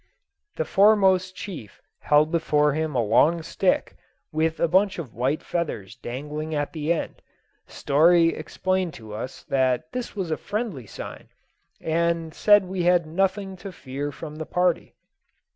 The foremost chief held before him a long stick, with a bunch of white feathers dangling at the end. Story explained to us that this was a friendly sign, and said we had nothing to fear from the party.